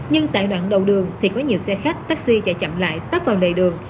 nhưng tại đoạn đầu đường thì có nhiều xe khách taxi chạy chậm lại tấp vào lề đường